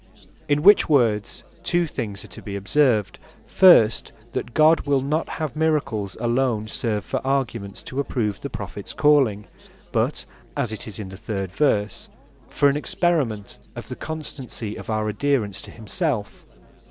In which words two things are to be observed, First, that God wil not have miracles alone serve for arguments, to approve the Prophets calling; but (as it is in the third verse) for an experiment of the constancy of our adherence to himself.